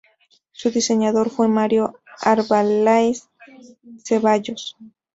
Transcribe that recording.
Su diseñador fue Mario Arbeláez Ceballos.